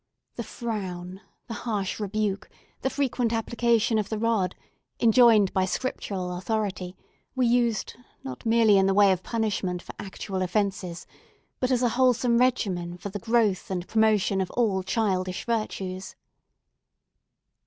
The frown, the harsh rebuke, the frequent application of the rod, enjoined by Scriptural authority, were used, not merely in the way of punishment for actual offences, but as a wholesome regimen for the growth and promotion of all childish virtues.